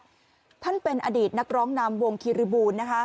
ขมยาปริวัติท่านเป็นอดีตนักร้องนำวงคีริบูล